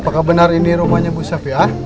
apakah benar ini rumahnya bu saf ya